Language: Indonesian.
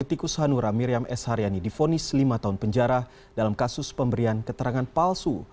politikus hanura miriam s haryani difonis lima tahun penjara dalam kasus pemberian keterangan palsu